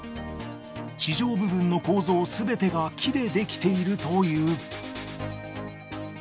地上部分の構造すべてが木で出来ているという。